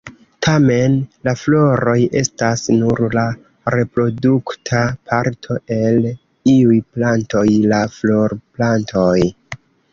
Tamen, la floroj estas nur la reprodukta parto el iuj plantoj: la florplantoj.